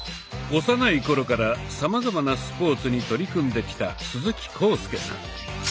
幼い頃からさまざまなスポーツに取り組んできた鈴木浩介さん。